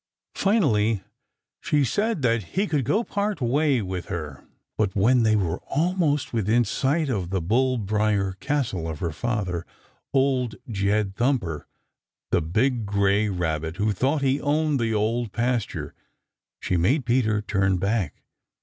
Finally she said that he could go part way with her. But when they were almost within sight of the bull briar castle of her father, Old Jed Thumper, the big, gray Rabbit who thought he owned the Old Pasture, she made Peter turn back.